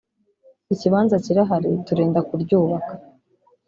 ikibanza kirahari turenda kuryubaka